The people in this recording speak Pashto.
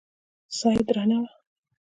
ساه يې درنه وه.